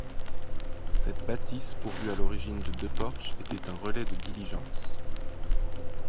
Cette bâtisse pourvue à l'origine de deux porches était un relais de diligences.